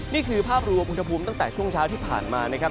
นี่คือภาพรวมอุณหภูมิตั้งแต่ช่วงเช้าที่ผ่านมานะครับ